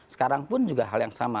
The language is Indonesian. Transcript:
sekarang pun juga hal yang sama